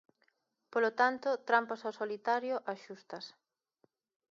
Polo tanto, trampas ao solitario, as xustas.